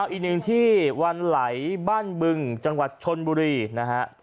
อีกหนึ่งที่วันไหลบ้านบึงจังหวัดชนบุรีนะฮะ